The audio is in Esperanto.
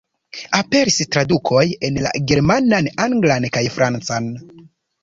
Aperis tradukoj en la germanan, anglan kaj francan.